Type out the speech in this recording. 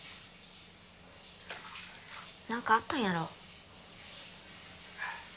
何かあったんやろ？